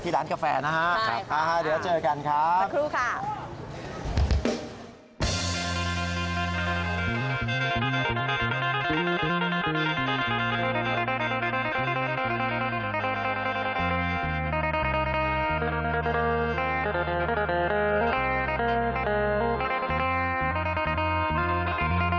ที่ร้านกาแฟนะครับเดี๋ยวเจอกันครับสัตว์ครูค่ะครับสัตว์ครูค่ะ